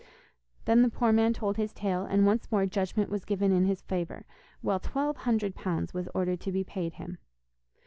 Then the poor man told his tale, and once more judgment was given in his favour, while twelve hundred pounds was ordered to be paid him.